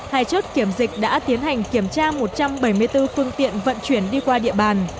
hai chốt kiểm dịch đã tiến hành kiểm tra một trăm bảy mươi bốn phương tiện vận chuyển đi qua địa bàn